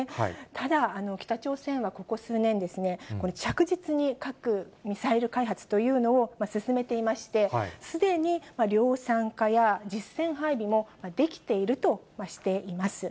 ただ、北朝鮮はここ数年、着実に核・ミサイル開発というのを進めていまして、すでに量産化や実戦配備もできているとしています。